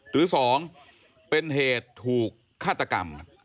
หรือ๒เป็นเหตุถูกฆาตกรรม